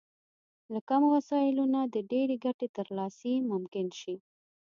له کمو وسايلو نه د ډېرې ګټې ترلاسی ممکن شي.